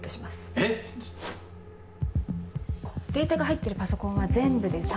えっ⁉データが入ってるパソコンは全部で３台。